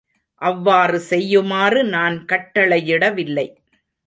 அவ்வாறு செய்யுமாறு நான் கட்டளையிடவில்லை.